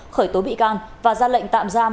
khởi tố bị can và ra lệnh tạm giam